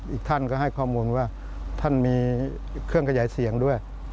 อีกท่านก็ให้ข้อมูลว่าท่านมีเครื่องขยายเสียงด้วย